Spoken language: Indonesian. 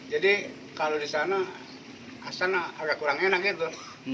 jadi kalau disana asal agak kurang enak gitu